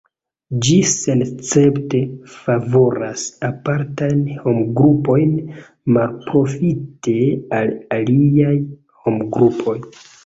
Ĝi senescepte favoras apartajn homgrupojn malprofite al aliaj homgrupoj.